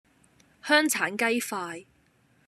香橙雞塊